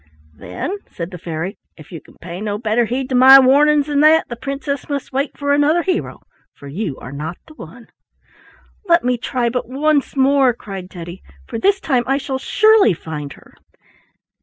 "Then," said the fairy, "if you can pay no better heed to my warnings than that, the princess must wait for another hero, for you are not the one." "Let me try but once more," cried Teddy, "for this time I shall surely find her."